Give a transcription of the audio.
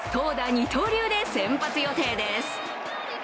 二刀流で先発予定です。